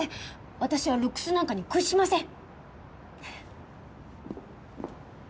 私はルックスなんかに屈しません